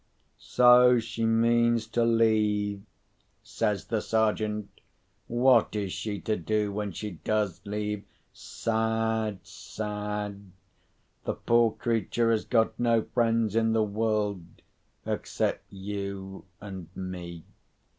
"So she means to leave?" says the Sergeant. "What is she to do when she does leave? Sad, sad! The poor creature has got no friends in the world, except you and me."